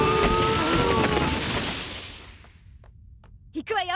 行くわよ